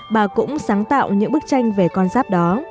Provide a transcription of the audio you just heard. bà cũng sáng tạo những bức tranh về con giáp đó